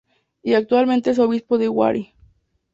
Y actualmente es Obispo de Huari.